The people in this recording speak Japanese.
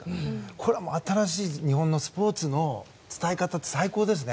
これは新しい日本のスポーツの伝え方として最高ですね。